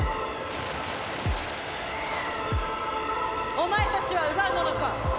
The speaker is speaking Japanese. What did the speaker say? お前たちは奪う者か？